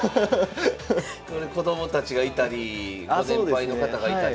これ子どもたちがいたりご年配の方がいたり。